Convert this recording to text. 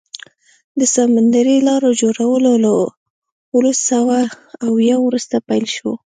د سمندري لارو جوړول له اوولس سوه اویا وروسته پیل شو.